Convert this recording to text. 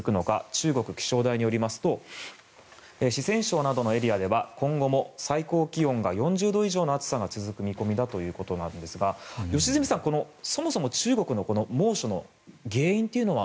中国気象台によりますと四川省などのエリアでは今後も最高気温が４０度以上の暑さが続く見込みだということですが良純さん、そもそも中国の猛暑の原因というのは。